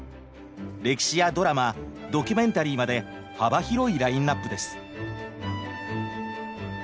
歴史やドラマドキュメンタリーまで幅広いラインナップです。